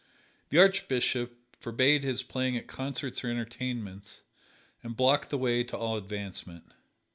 The Archbishop forbade his playing at concerts or entertainments, and blocked the way to all advancement.